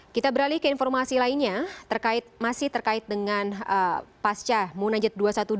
kita beralih ke informasi lainnya masih terkait dengan pasca munajat dua ratus dua belas